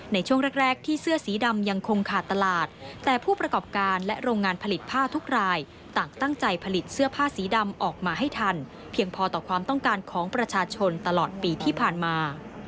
ในช่วงแรกที่เสื้อสีดำยังคงขาดตลาดแต่ผู้ประกอบการและโรงงานผลิตผ้าทุกรายต่างตั้งใจผลิตเสื้อผ้าสีดำออกมาให้ทันเพียงพอต่อความต้องการของประชาชนตลอดปีที่ผ่านมา